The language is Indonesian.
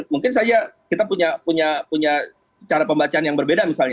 mungkin saja kita punya cara pembacaan yang berbeda misalnya